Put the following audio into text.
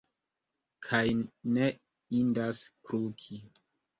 Kaj ne indas kluki.